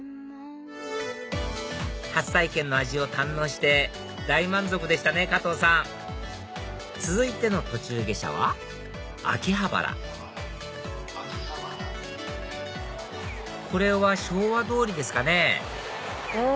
初体験の味を堪能して大満足でしたねかとうさん続いての途中下車は秋葉原これは昭和通りですかね